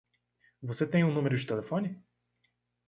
Você tem um número de telefone?